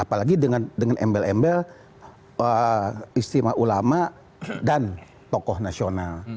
apalagi dengan embel embel istimewa ulama dan tokoh nasional